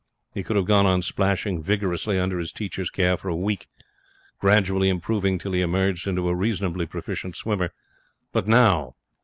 He could have gone on splashing vigorously under his teacher's care for a week, gradually improving till he emerged into a reasonably proficient swimmer. But now!